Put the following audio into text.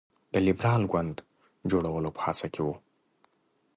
د لېبرال ګوند جوړولو په هڅه کې وو.